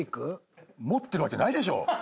持ってるわけないでしょ。